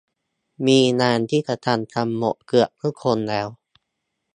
มีงานที่จะทำกันหมด เกือบทุกคนแล้ว